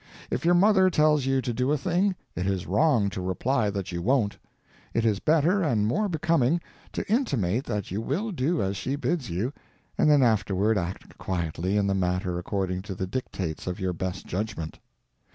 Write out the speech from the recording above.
If your mother tells you to do a thing, it is wrong to reply that you won't. It is better and more becoming to intimate that you will do as she bids you, and then afterward act quietly in the matter according to the dictates of your best judgment.